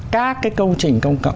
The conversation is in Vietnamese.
các cái công trình công cộng